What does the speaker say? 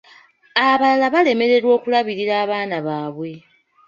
Abalala balemererwa okulabirila abaana baabwe.